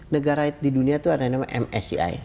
negara di dunia itu ada yang namanya msi